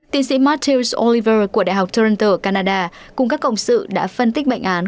tiến sĩ matthews oliver của đại học torinter canada cùng các cộng sự đã phân tích bệnh án